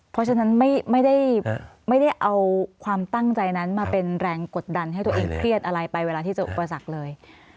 เพราะฉะนั้นไม่ได้เอาความตั้งใจนั้นมาเป็นแรงกดดันให้ตัวเองเครียดอะไรไปเวลาที่จะอุปสรรคเลย